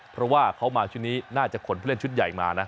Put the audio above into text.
เพราะว่าเขามาชุดนี้น่าจะขนผู้เล่นชุดใหญ่มานะ